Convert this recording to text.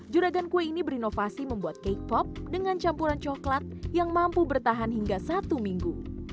juragan kue ini berinovasi membuat k pop dengan campuran coklat yang mampu bertahan hingga satu minggu